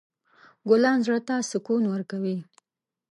ګلان زړه ته سکون ورکوي.